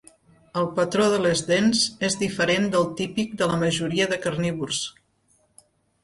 El patró de les dents és diferent del típic de la majoria de carnívors.